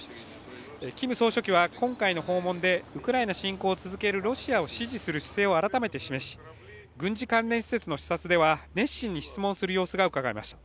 キム総書記は今回の訪問でウクライナ侵攻を続けるロシアを支持する姿勢を改めて示し、軍事関連施設の視察では熱心に質問する様子がうかがえました。